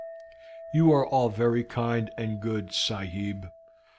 "You are all very kind and good, sahib.